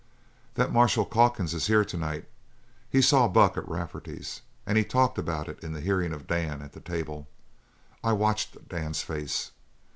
"That Marshal Calkins is here to night. He saw Buck at Rafferty's, and he talked about it in the hearing of Dan at the table. I watched Dan's face.